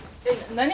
何？